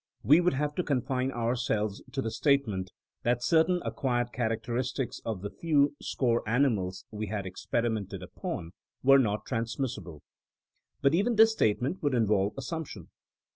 We would have to confine ourselves to the statement that certain acquired characteristics of the few score animals we had experimented upon were not transmissible. But even this statement would involve assumption.